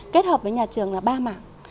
kết hợp với nhà trường là ba mảng